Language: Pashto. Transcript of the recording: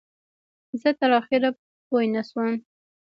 زه تر اخره پوی نشوم.